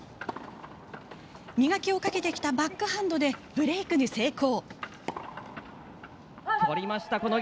磨きをかけてきたバックハンドでブレークに成功。